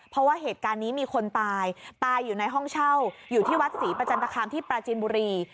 เพราะว่าเหตุการณ์นี้มีคนตายตายอยู่ในห้องเช่าอยู่ที่วัดศรีประจันตคามที่ปราจินบุรี